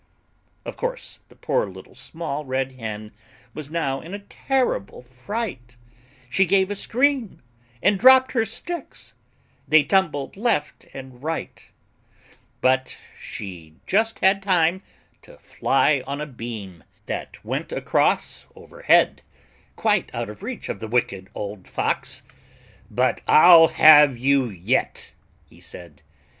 Of course the poor Little Small Red Hen Was now in a terrible fright. She gave a scream and dropped her sticks, They tumbled left and right. But she just had time to fly on a beam That went across over head, Quite out of reach of the Wicked Old Fox. "But I'll have you yet," he said.